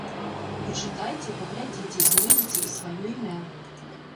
Пачытайце, паглядзіце, знойдзеце і сваё імя.